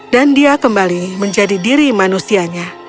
dan dia kembali menjadi diri manusianya